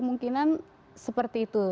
kemungkinan seperti itu